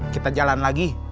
kita jalan lagi